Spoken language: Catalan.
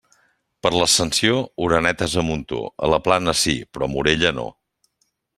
Per l'Ascensió, orenetes a muntó; a la Plana sí, però a Morella no.